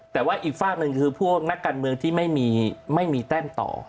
แต่ว่าอีกฝากหนึ่งคือพวกนักการเมืองที่ไม่มีแต้มต่อ